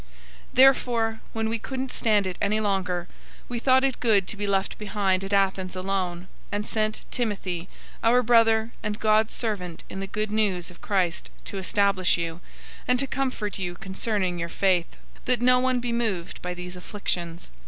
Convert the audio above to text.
003:001 Therefore, when we couldn't stand it any longer, we thought it good to be left behind at Athens alone, 003:002 and sent Timothy, our brother and God's servant in the Good News of Christ, to establish you, and to comfort you concerning your faith; 003:003 that no one be moved by these afflictions.